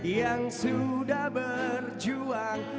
yang sudah berjuang